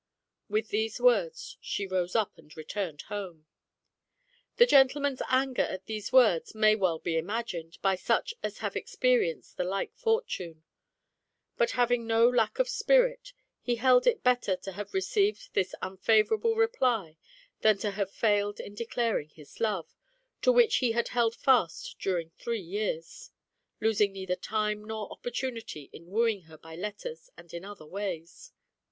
With these words she rose up and returned home. The gentleman's anger at these words may well be imagined by such as have experienced the like fortune. But having no lack of spirit, he held it better to have received this unfavour able reply than to have failed in declaring his love, to which he held fast during three years, losing neither time nor opportunity in wooing her by letters and in other ways.